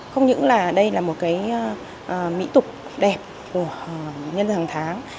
không những đây là một mỹ tục đẹp của nhân dân hàng tháng